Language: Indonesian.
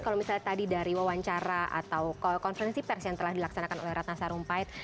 kalau misalnya tadi dari wawancara atau konferensi pers yang telah dilaksanakan oleh ratna sarumpait